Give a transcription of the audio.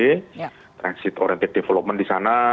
sebuah sit oriented development disana